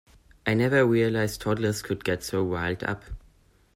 I never realized toddlers could get so riled up.